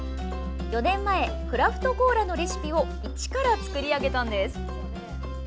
４年前クラフトコーラのレシピを一から作り上げたんです。